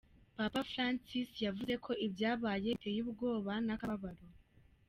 Papa Francis yavuze ko ibyabaye biteye ubwoba n’akababaro.